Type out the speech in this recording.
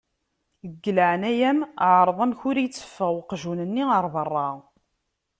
Deg leεnaya-m εreḍ amek ur iteffeɣ uqjun-nni ɣer berra.